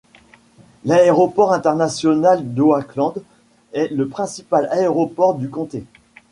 L'aéroport international d'Oakland est le principal aéroport du comté.